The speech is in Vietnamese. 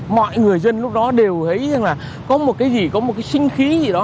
mọi người dân lúc đó đều thấy rằng là có một cái gì có một cái sinh khí gì đó